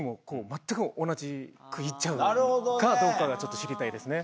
区切っちゃうかどうかがちょっと知りたいですね。